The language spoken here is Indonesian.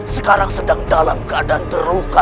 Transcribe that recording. sekarang sedang dalam keadaan terluka